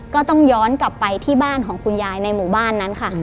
ก็ต้องย้อนกลับไปที่บ้านของคุณยายในหมู่บ้านนั้นค่ะ